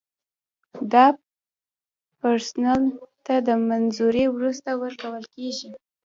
دا پرسونل ته د منظورۍ وروسته ورکول کیږي.